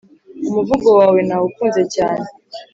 umuvugo wawe nawukunze cyane